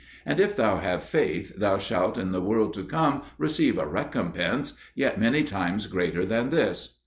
And, if thou have faith, thou shalt in the world to come receive a recompense yet many times greater than this.'"